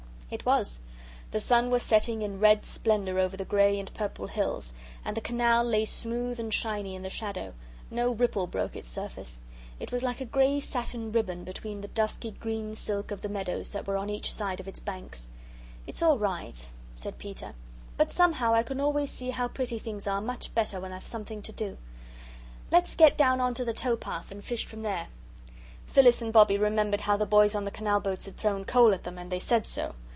It was. The sun was setting in red splendour over the grey and purple hills, and the canal lay smooth and shiny in the shadow no ripple broke its surface. It was like a grey satin ribbon between the dusky green silk of the meadows that were on each side of its banks. "It's all right," said Peter, "but somehow I can always see how pretty things are much better when I've something to do. Let's get down on to the towpath and fish from there." Phyllis and Bobbie remembered how the boys on the canal boats had thrown coal at them, and they said so.